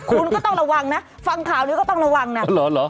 ขุนก็ต้องระวังน่ะฟังข่าวนี้ก็ต้องระวังน่ะหรอหรอ